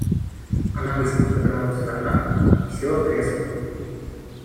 Она быстро повернулась от окна и села в кресла.